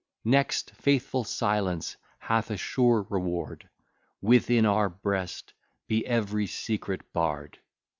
Next faithful Silence hath a sure reward; Within our breast be every secret barr'd!